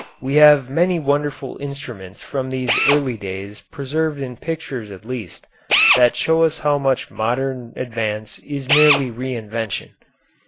We have many wonderful instruments from these early days preserved in pictures at least, that show us how much modern advance is merely re invention.